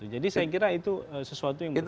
jadi saya kira itu sesuatu yang berbeda